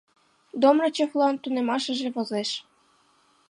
ДОМРАЧЕВЛАН ТУНЕМАШЫЖЕ ВОЗЕШ